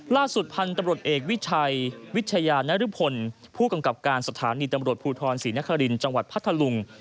ล่าสุดพันธุ์ตำรวจเอกวิชัยวิทยานรพลผู้กำกับการสถานีตำรวจภูทรศรีนครินทร์จังหวัดพัทธลุง